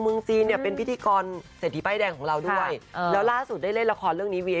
ไม่แต่พี่ป้องก็เท็จเขาอยู่นะดูดิหล่อแห้งซ่ำจริงนะคะ